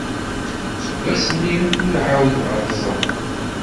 Seg wass-nni ur ɛawdeɣ ad t-ẓreɣ.